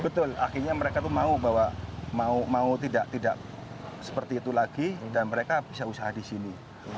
betul akhirnya mereka mau tidak seperti itu lagi dan mereka bisa usaha di sini